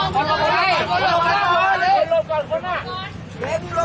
ก็ไม่มีอัศวินทรีย์ขึ้นมา